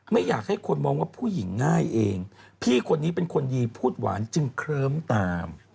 ไม่อยากให้คนมองว่าผู้หญิงง่ายเองพี่คนนี้เป็นคนดีพูดหวานจึงเคลิ้มตาม